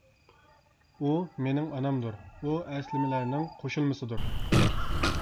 ئۇ مېنىڭ ئانامدۇر، ئۇ ئەسلىمىلەرنىڭ قوشۇلمىسىدۇر.